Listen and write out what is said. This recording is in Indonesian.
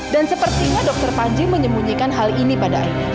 dan sepertinya dokter panji menyemunyikan hal ini pada aida